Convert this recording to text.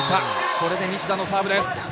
これで西田のサーブです。